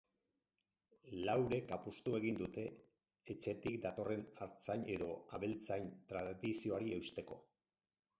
Laurek apustu egin dute etxetik datorren artzain edo abeltzain tradizioari eusteko.